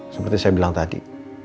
seperti saya bilang tadi